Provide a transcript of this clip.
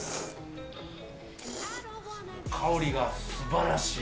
香りがすばらしい。